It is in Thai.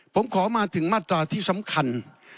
ผมขอมาถึงมาตราที่สำคัญ